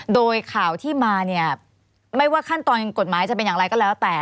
โดยข่าวที่มาเนี่ยไม่ว่าขั้นตอนกฎหมายจะเป็นอย่างไรก็แล้วแต่